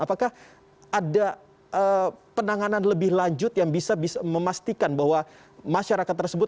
apakah ada penanganan lebih lanjut yang bisa memastikan bahwa masyarakat tersebut